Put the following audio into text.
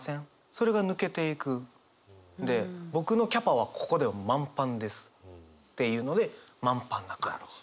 それが抜けていくんで僕のキャパはここで満パンですっていうので満パンな感じ。